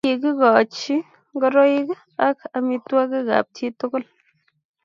kikikochi ngoroi ak amitwakik kap chit tugu